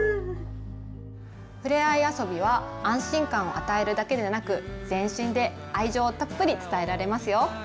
ふれあい遊びは安心感を与えるだけでなく全身で愛情をたっぷり伝えられますよ。